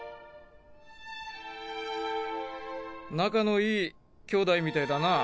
仲のいい兄弟みたいだな。